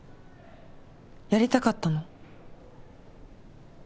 やりたかったの？